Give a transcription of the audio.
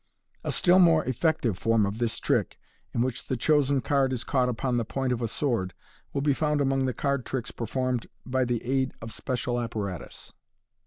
A still more effective form of this trick, in which the chosen card ts caught upon th< point of a sword, will be found among the card tricks performed 1 y the aid of special apparatus.